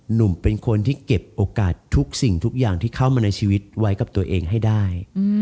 หนุ่มเป็นคนที่เก็บโอกาสทุกสิ่งทุกอย่างที่เข้ามาในชีวิตไว้กับตัวเองให้ได้